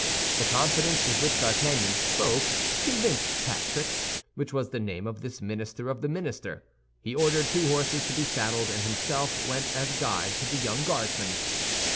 The confidence with which D'Artagnan spoke convinced Patrick, which was the name of this minister of the minister. He ordered two horses to be saddled, and himself went as guide to the young Guardsman.